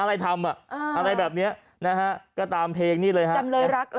อะไรทำอ่ะอะไรแบบเนี้ยนะฮะก็ตามเพลงนี้เลยฮะจำเลยรัก